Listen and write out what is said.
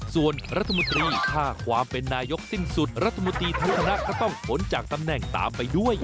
ส่วนรัฐมนตรีถ้าความเป็นนายกสิ้นสุดรัฐมนตรีทั้งคณะก็ต้องพ้นจากตำแหน่งตามไปด้วย